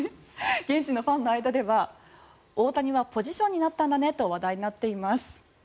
現地のファンの間では大谷はポジションになったんだねと話題になっています。